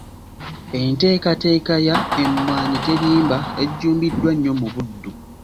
Enteekateeka ya ‘Emmwanyi Terimba’ ejjumbiddwa nnyo mu Buddu.